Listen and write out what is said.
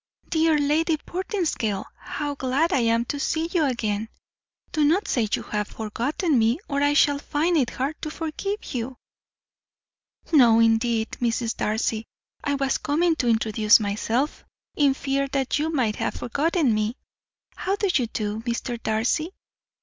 "Dear Lady Portinscale, how glad I am to see you again! Do not say you have forgotten me, or I shall find it hard to forgive you!" "No, indeed, Mrs. Darcy, I was coming to introduce myself, in fear that you might have forgotten me. How do you do, Mr. Darcy?